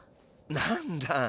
何だ。